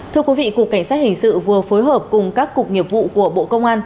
thưa quý vị cục cảnh sát hình sự vừa phối hợp cùng các cục nghiệp vụ của bộ công an